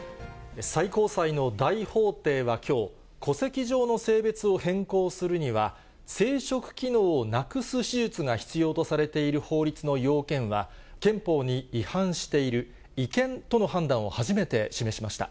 最高裁の大法廷はきょう、戸籍上の性別を変更するには、生殖機能をなくす手術が必要とされている法律の要件は憲法に違反している、違憲との判断を初めて示しました。